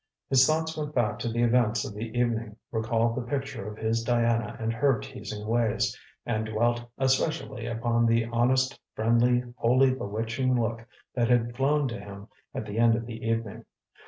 His thoughts went back to the events of the evening, recalled the picture of his Diana and her teasing ways, and dwelt especially upon the honest, friendly, wholly bewitching look that had flown to him at the end of the evening.